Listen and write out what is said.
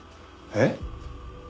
えっ？